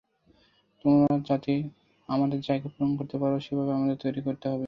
তোমরা যাতে আমাদের জায়গা পূরণ করতে পার, সেভাবে তোমাদের তৈরি হতে হবে।